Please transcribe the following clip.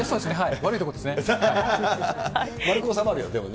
悪いところですね。